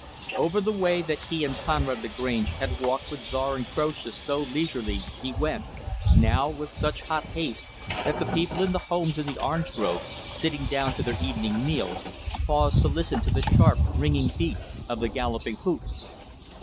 Over the way that he and Conrad Lagrange had walked with Czar and Croesus so leisurely, he went, now, with such hot haste that the people in the homes in the orange groves, sitting down to their evening meal, paused to listen to the sharp, ringing beat of the galloping hoofs.